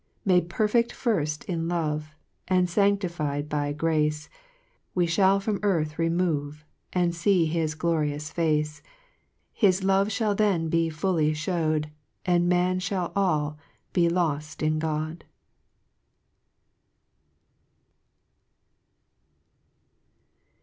6 ^lade perfect firft in love, And fanctified by grace, We mail from earth remove, And fee his glorioi^ Face : His love fliall then be fully fliew'd, And man fliall all be loft in God.